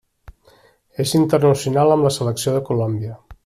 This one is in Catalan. És internacional amb la selecció de Colòmbia.